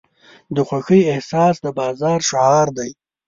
د خوښۍ احساس د بازار شعار دی.